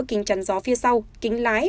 kính chắn gió phía sau kính lái